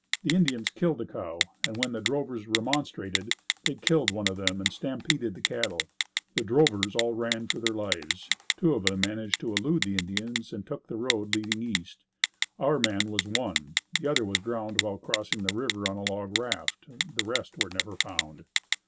The Indians killed a cow and when the drovers remonstrated, they killed one of them and stampeded the cattle. The drovers all ran for their lives. Two of them managed to elude the Indians, and took the road leading east. Our man was one, the other was drowned while crossing the river on a log raft, the rest were never found.